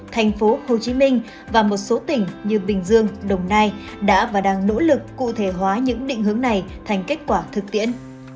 thành phố hồ chí minh và một số tỉnh như bình dương đồng nai đã và đang nỗ lực cụ thể hóa những định hướng này thành kết quả thực tiễn